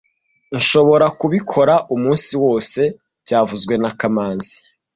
Nshobora kubikora umunsi wose byavuzwe na kamanzi